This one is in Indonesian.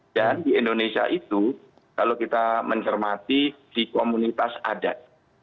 dan di indonesia itu kalau kita mencermati di komunitas adat